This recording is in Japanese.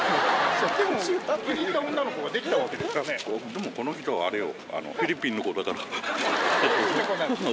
でもこの人あれよ。